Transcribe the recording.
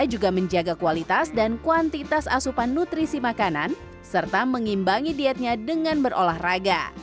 juga menjaga kualitas dan kuantitas asupan nutrisi makanan serta mengimbangi dietnya dengan berolahraga